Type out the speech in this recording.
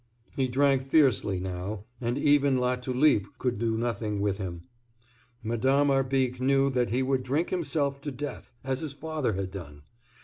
He drank fiercely now, and even Latulipe could do nothing with him. Madame Arbique knew that he would drink himself to death, as his father had done.